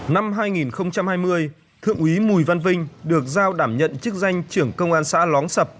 năm hai nghìn hai mươi thượng úy bùi văn vinh được giao đảm nhận chức danh trưởng công an xã lóng sập